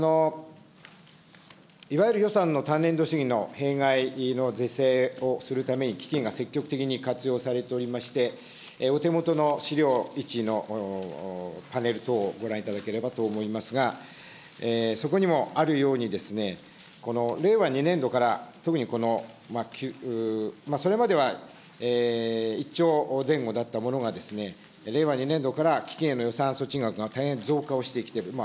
いわゆる予算の単年度の弊害の是正をするために基金が積極的に活用されておりまして、お手元の資料１のパネル等をご覧いただければと思いますが、そこにもあるようにですね、令和２年度から、特にこの、それまでは１兆前後だったものが、令和２年度から基金への予算措置額が大変増加をしてきている。